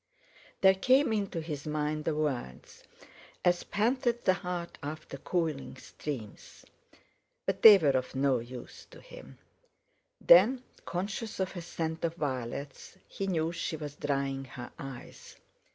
There came into his mind the words: "As panteth the hart after cooling streams"—but they were of no use to him. Then, conscious of a scent of violets, he knew she was drying her eyes.